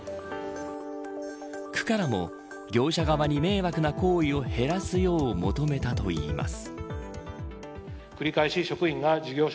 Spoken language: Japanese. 区からも業者側に迷惑な行為を減らすよう求めたといいます。